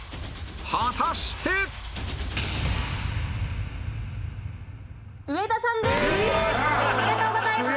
果たして上田さんです！